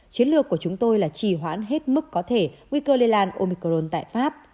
chiến lược của chúng tôi là chỉ hoãn hết mức có thể nguy cơ lây lan omicron tại pháp